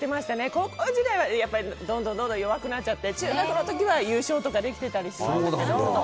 高校時代はどんどん弱くなっちゃって中学の時は優勝とかできてたりしたんですけど。